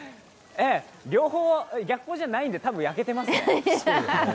両方、逆光じゃないんで多分焼けていますね。